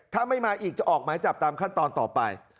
ถ้าไม่มาอีกจะออกหมายจับตามขั้นตอนต่อไป